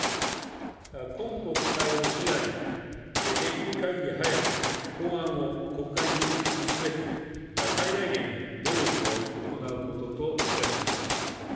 今国会を視野に、できるかぎり早く、法案を国会に提出すべく、最大限の努力を行うことといたします。